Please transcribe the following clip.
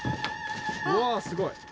うわあすごい。